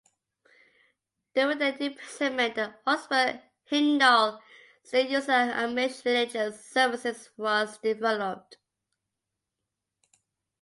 During their imprisonment, the "Ausbund" hymnal, still used in Amish religious services, was developed.